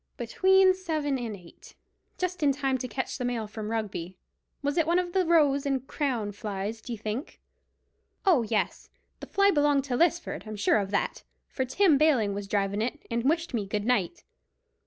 "Between seven and eight. Just in time to catch the mail from Rugby. Was it one of the Rose and Crown flies, d'ye think?" "Oh, yes, the fly belonged to Lisford. I'm sure of that, for Tim Baling was drivin' it and wished me good night."